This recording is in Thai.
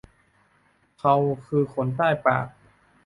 เคราคือขนใต้ปาก